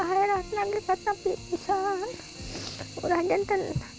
saya berdoa kepada bapak